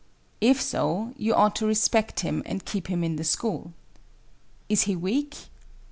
If so, you ought to respect him and keep him in the school. Is he weak?